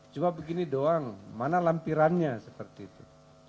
cuma begini doang mana lampirannya seperti itu